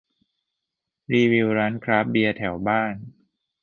รีวิวร้านคราฟต์เบียร์แถวบ้าน